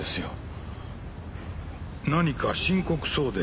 何か深刻そうで。